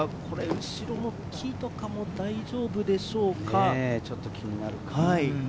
後ろの木とかも大丈夫でしょうか？